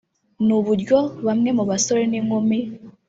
ni uburyo bamwe mu basore n’inkumi